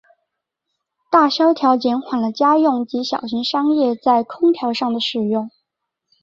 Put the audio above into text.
大萧条减缓了家用及小型商业在空调上的使用。